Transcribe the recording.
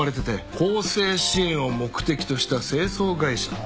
更生支援を目的とした清掃会社って。